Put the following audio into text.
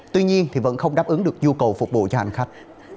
tuy nhiên vẫn không đáp ứng được nhu cầu phục vụ cho hành khách